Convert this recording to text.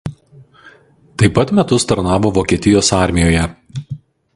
Taip pat metus tarnavo Vokietijos armijoje.